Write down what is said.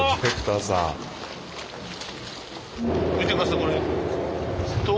見て下さいこれ。